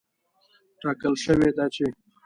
ټاکل شوې ده چې